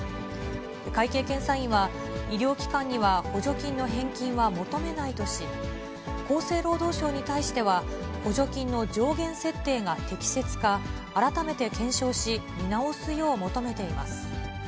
会計検査院は、医療機関には補助金の返金は求めないとし、厚生労働省に対しては、補助金の上限設定が適切か、改めて検証し、見直すよう求めています。